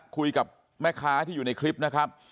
คุยกับแม่ค้าที่อยู่ในคลิปนะครับ